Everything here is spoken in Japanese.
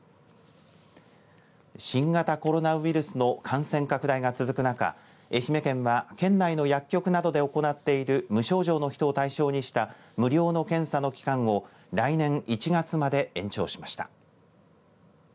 新型コロナウイルスの感染拡大が続く中愛媛県は県内の薬局などで行っている無症状の人を対象にした無料の検査の期間を来年１月まで延長しました。